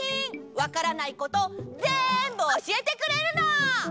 わからないことぜんぶおしえてくれるの！